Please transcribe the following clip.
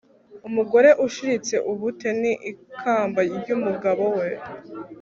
umugore ushiritse ubute ni ikamba ry'umugabo we